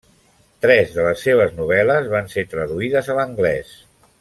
Tres de les seves novel·les van ser traduïdes a l'anglès.